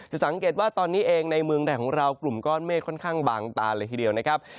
สังเกตว่าตอนนี้เองในเมืองไทยของเรากลุ่มก้อนเมฆค่อนข้างบางตาเลยทีเดียวนะครับ